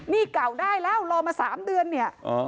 นี่เก่าได้แล้วรอมา๓เดือนเนี่ย